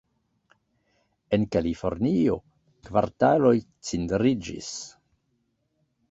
En Kalifornio, kvartaloj cindriĝis.